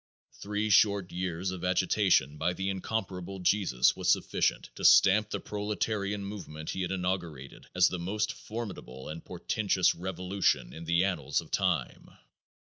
Three short years of agitation by the incomparable Jesus was sufficient to stamp the proletarian movement he had inaugurated as the most formidable and portentous revolution in the annals of time.